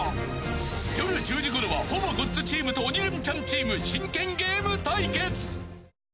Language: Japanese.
夜１０時ごろはほぼ「ごっつ」チームと「鬼レンチャン」チーム真剣ゲーム対決。